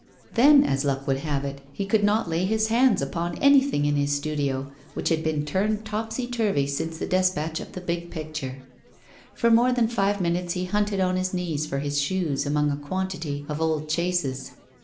Then, as luck would have it, he could not lay his hands upon anything in his studio, which had been turned topsy turvy since the despatch of the big picture. For more than five minutes he hunted on his knees for his shoes, among a quantity of old chases.